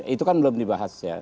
itu kan belum dibahas ya